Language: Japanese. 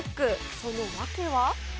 その訳は。